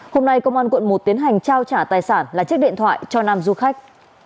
hôm nay công an quận một tiến hành trao trả tài sản là chiếc điện thoại cho nam du khách